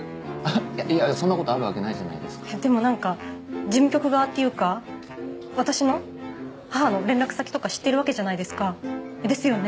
いやいやそんなことあるわけないじゃないですかでもなんか事務局側っていうか私の母の連絡先とか知ってるわけじゃないですかですよね？